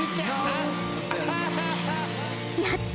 やった！